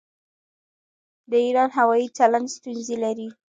د ایران هوايي چلند ستونزې لري.